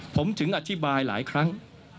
ผมถึงอธิบายหลายครั้ง